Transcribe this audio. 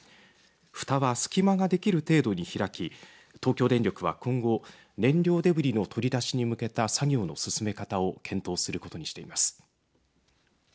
ふたは隙間ができる程度に開き東京電力は今後、燃料デブリの取り出しに向けた作業の進め方を検討することにしています。